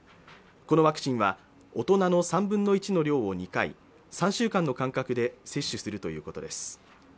このワクチンは大人の３分の１の量を２回３週間の間隔で接種するということです